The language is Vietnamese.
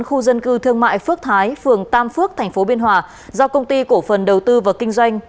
khu dân cư thương mại phước thái phường tam phước tp biên hòa do công ty cổ phần đầu tư và kinh doanh